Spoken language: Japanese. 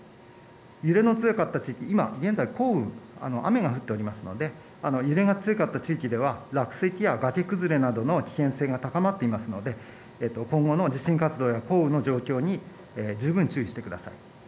揺れの強かった地域、今、現在、降雨、雨が降っておりますので、揺れが強かった地域では、落石や崖崩れなどの危険性が高まっていますので、今後の地震活動や降雨の状況に十分注意してください。